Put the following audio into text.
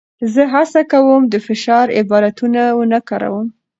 زه هڅه کوم د فشار عبارتونه ونه کاروم.